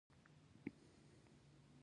انحصار یا monopoly د بازار یو ډول دی.